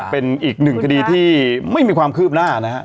เป็นอีกหนึ่งคดีที่ไม่มีความคืบหน้านะฮะ